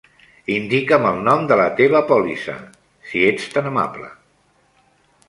Indica'm el nom de la teva pòlissa, si ets tan amable.